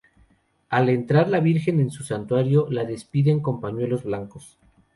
Al entrar la virgen en su santuario, la despiden con pañuelos blancos.